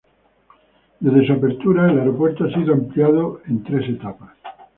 Desde su apertura, el aeropuerto ha sido ampliado en tres etapas.